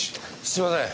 すいません。